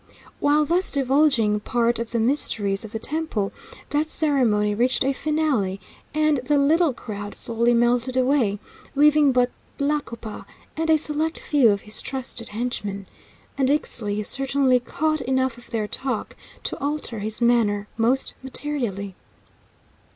While thus divulging part of the mysteries of the temple, that ceremony reached a finale, and the little crowd slowly melted away, leaving but Tlacopa and a select few of his trusted henchman. And Ixtli certainly caught enough of their talk to alter his manner most materially.